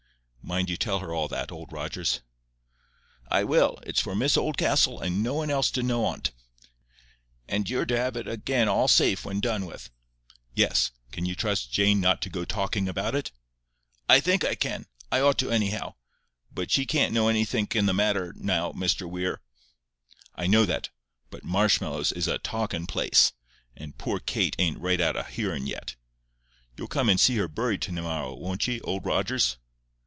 Mind you tell her all that, Old Rogers." "I will. It's for Miss Oldcastle, and no one else to know on't. And you're to have it again all safe when done with." "Yes. Can you trust Jane not to go talking about it?" "I think I can. I ought to, anyhow. But she can't know anythink in the letter now, Mr Weir." "I know that; but Marshmallows is a talkin' place. And poor Kate ain't right out o' hearin' yet.—You'll come and see her buried to morrow, won't ye, Old Rogers?"